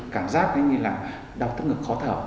cảm giác như là đau tức ngực khó thở